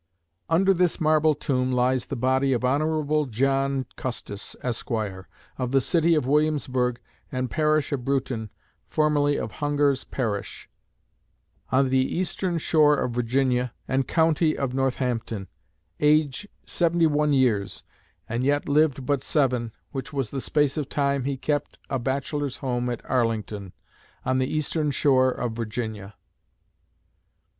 "Under This Marble Tomb Lies The Body Of The HON. JOHN CUSTIS, Esq., Of The City Of Williamsburg, And Parish of Bruton, Formerly Of Hungar's Parish, On The Eastern Shore Of Virginia, And County Of Northampton, Age 71 Years, And Yet Lived But Seven, Which Was The Space Of Time He Kept A Bachelor's Home At Arlington, On The Eastern Shore Of Virginia."